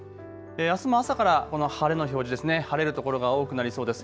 あすも朝からこの晴れの表示、晴れる所が多くなりそうです。